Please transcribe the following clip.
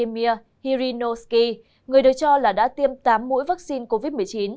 mir yirinovsky người đều cho là đã tiêm tám mũi vaccine covid một mươi chín